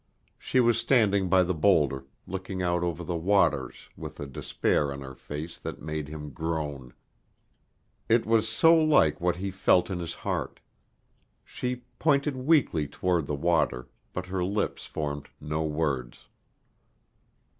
She was standing by the boulder, looking out over the waters with a despair on her face that made him groan. It was so like what he felt in his heart. She pointed weakly toward the water, but her lips formed no words.